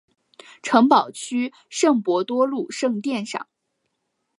城堡区圣伯多禄圣殿上。